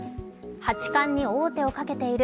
八冠に王手をかけている